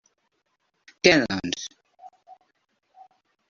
Què, doncs?